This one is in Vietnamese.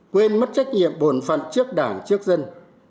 quên mất trách nhiệm bổn phận trước đảng trước dân